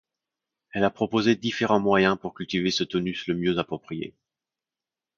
Elle a proposé différents moyens pour cultiver ce tonus le mieux approprié.